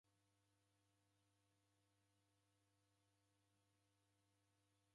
Kwaogha lakini kwaw'uria nguw'o riluye.